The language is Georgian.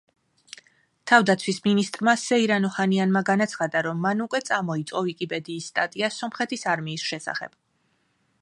თავდაცვის მინისტრმა სეირან ოჰანიანმა განაცხადა, რომ მან უკვე წამოიწყო ვიკიპედიის სტატია სომხეთის არმიის შესახებ.